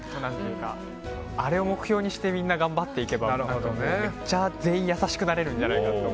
あれを目標にしてみんな頑張っていけばめっちゃ全員優しくなれるんじゃないかと。